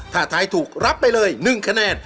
ถ้าทายถูกรับไปเลย๑คะแนน